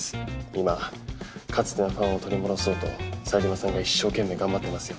今かつてのファンを取り戻そうと冴島さんが一生懸命頑張ってますよ。